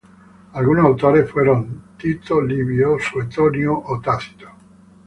Algunos autores fueron Tito Livio, Suetonio o Tácito.